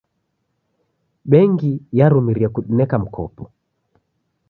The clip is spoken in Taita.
Bengi yarumirie kudineka mkopo.